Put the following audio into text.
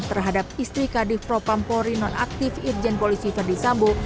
terhadap istri kadif propampori nonaktif irjen polisi verdi sambo